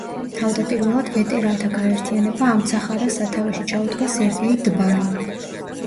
თავდაპირველად, ვეტერანთა გაერთიანება ამცახარას სათავეში ჩაუდგა სერგეი დბარი.